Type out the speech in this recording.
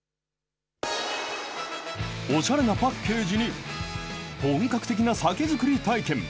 おしゃれなパッケージに、本格的な酒造り体験。